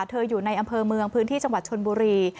อยู่ในอำเภอเมืองพื้นที่จังหวัดชนบุรี